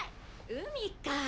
海か。